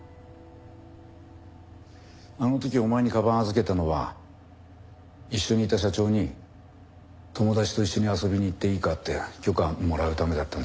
あの時お前にかばんを預けたのは一緒にいた社長に友達と一緒に遊びに行っていいかって許可もらうためだったんだって。